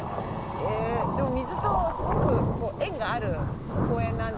でも水とすごく縁がある公園なんですね。